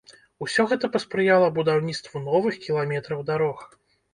Усё гэта паспрыяла будаўніцтву новых кіламетраў дарог.